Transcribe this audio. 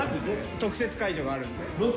特設会場があるんで。